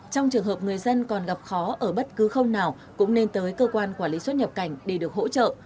trong trường hợp người dân còn gặp khó ở bất cứ không nào cũng nên tới cơ quan quản lý xuất nhập cảnh để được hỗ trợ